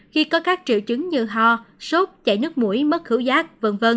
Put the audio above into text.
khi có các triệu chứng như ho sốt chảy nước mũi mất khứu giác v v